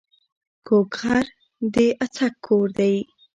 کوږک غر د اڅک کور دی